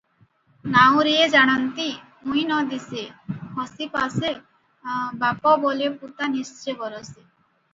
ନାଉରିଏ ଜାଣନ୍ତି, "ଉଇଁ ନ ଦିଶେ, ହସି ପଶେ, ବାପ ବୋଲେ ପୁତା-ନିଶ୍ଚେ ବରଷେ ।